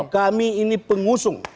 kami ini pengusung